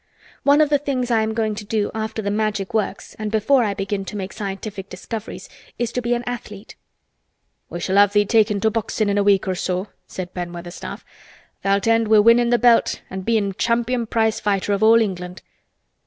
"One of the things I am going to do, after the Magic works and before I begin to make scientific discoveries, is to be an athlete." "We shall have thee takin' to boxin' in a week or so," said Ben Weatherstaff. "Tha'lt end wi' winnin' th' Belt an' bein' champion prize fighter of all England."